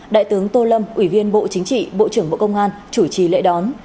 đại tướng tô lâm ủy viên bộ chính trị bộ trưởng bộ công an chủ trì lễ đón